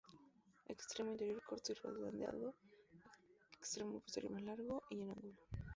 Extremo interior corto y redondeado, extremo posterior más largo y en ángulo.